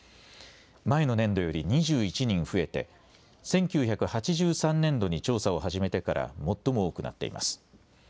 前の年度より２１人増えて１９８３年度に調査を始めてから最も多くなっています。